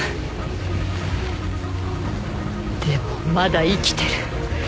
でもまだ生きてる。